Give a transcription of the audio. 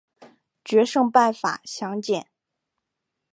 决胜办法详见。